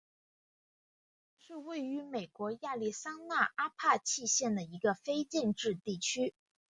松泉是位于美国亚利桑那州阿帕契县的一个非建制地区。